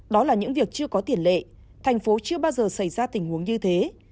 đó là những việc chưa có tiền lệ thành phố chưa bao giờ xảy ra tình huống như thế